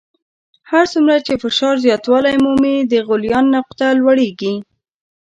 هر څومره چې فشار زیاتوالی مومي د غلیان نقطه لوړیږي.